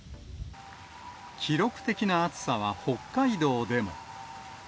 記録的な暑さは北海道でも。